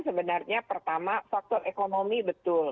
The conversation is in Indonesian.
sebenarnya pertama faktor ekonomi betul